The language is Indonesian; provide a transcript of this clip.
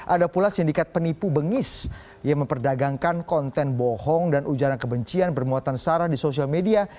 ada pula sindikat penipu bengis yang memperdagangkan konten bohong dan ujaran kebencian bermuatan sarah di sosial media